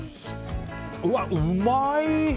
うわ、うまい！